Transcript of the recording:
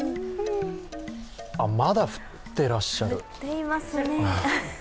あ、まだ降ってらっしゃる。